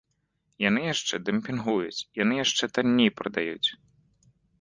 І яны яшчэ дэмпінгуюць, яны яшчэ танней прадаюць.